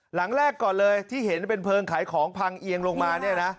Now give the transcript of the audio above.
หลังแรกก่อนเลยที่เห็นเป็นเพลิงขายของพังเอียงลงมาเนี่ยนะ